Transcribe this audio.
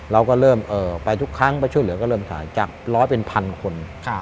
เราก็เริ่มไปทุกครั้งไปช่วยเหลือก็เริ่มถ่ายจากร้อยเป็นพันคน